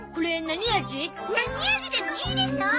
何味でもいいでしょ！